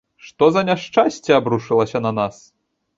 Што за няшчасце абрушылася на нас?